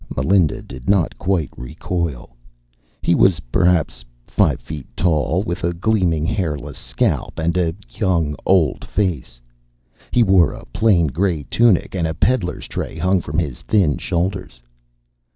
Melinda did not quite recoil. He was perhaps five feet tall, with a gleaming hairless scalp and a young old face. He wore a plain gray tunic, and a peddler's tray hung from his thin shoulders.